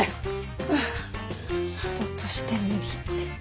人として無理って。